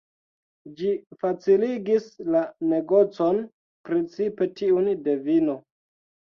Ĝi faciligis la negocon, precipe tiun de vino.